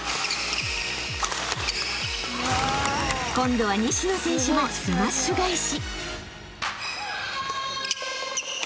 ［今度は西野選手もスマッシュ返し］